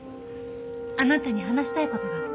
あなたに話したい事があって。